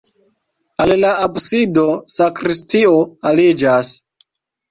Al la absido sakristio aliĝas.